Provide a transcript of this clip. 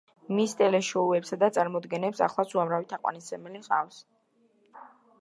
მის ტელეშოუებსა და წარმოდგენებს ახლაც უამრავი თაყვანისმცემელი ჰყავს.